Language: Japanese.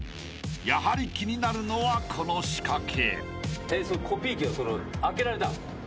［やはり気になるのはこの仕掛け］